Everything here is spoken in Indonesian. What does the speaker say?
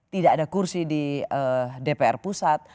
tidak ada kursi di dpr pusat